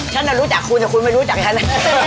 ฉันรู้จักคุณแต่คุณไม่รู้จักฉัน